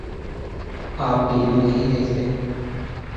آ پ T V نہیں دیکھتے؟